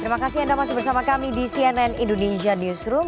terima kasih anda masih bersama kami di cnn indonesia newsroom